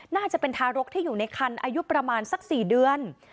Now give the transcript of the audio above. น่าจะเป็นทารกที่อยู่ในคันอายุประมาณสัก๔เดือน